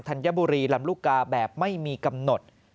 ธัญบุรีลำลูกกาแบบไม่มีกำหนด